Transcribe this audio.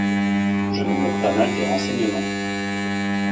Je me moque pas mal des renseignements !…